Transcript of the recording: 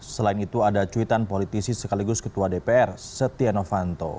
selain itu ada cuitan politisi sekaligus ketua dpr setia novanto